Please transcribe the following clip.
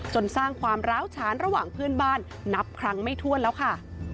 สร้างความร้าวฉานระหว่างเพื่อนบ้านนับครั้งไม่ถ้วนแล้วค่ะ